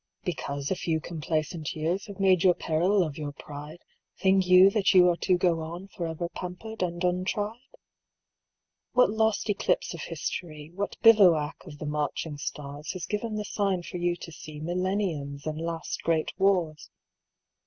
"Because a few complacent years Have made your peril of your pride, Think you that you are to go on Forever pampered and untried? "What lost eclipse of history, What bivouac of the marching stars, Has given the sign for you to see Millenniums and last great wars?